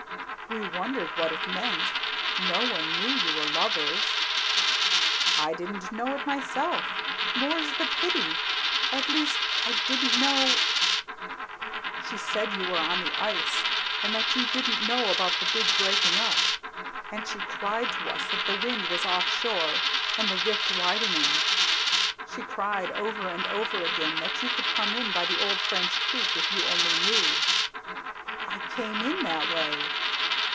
"We wondered what it meant. No one knew you were lovers." "I didn't know it myself; more's the pity. At least, I didn't know " "She said you were on the ice, and that you didn't know about the big breaking up, and she cried to us that the wind was off shore and the rift widening. She cried over and over again that you could come in by the old French creek if you only knew " "I came in that way."